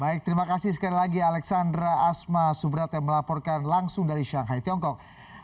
baik terima kasih sekali lagi alexandra asma subrat yang melaporkan langsung dari shanghai tiongkok